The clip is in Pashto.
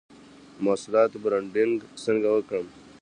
د محصولاتو برنډینګ څنګه وکړم؟